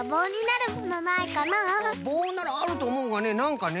ぼうならあるとおもうがねなんかね。